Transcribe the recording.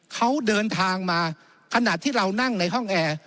เขาเดินทางมาขณะที่เรานั่งในห้องแอร์